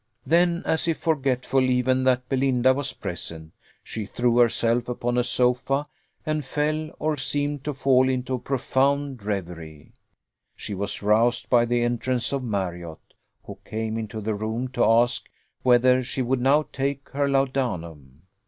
Then, as if forgetful even that Belinda was present, she threw herself upon a sofa, and fell, or seemed to fall, into a profound reverie. She was roused by the entrance of Marriott, who came into the room to ask whether she would now take her laudanum.